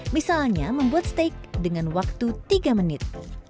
misalnya membuat steak dengan waktu tiga menit